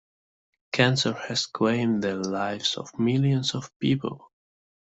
Cancer has claimed the lives of millions of people.